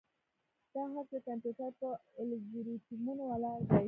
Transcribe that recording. دا هر څه د کمپیوټر پر الگوریتمونو ولاړ دي.